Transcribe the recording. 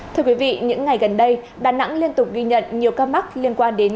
thưa quý vị những ngày gần đây đà nẵng liên tục ghi nhận nhiều ca mắc liên quan đến